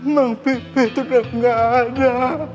bang pipi tetap gak ada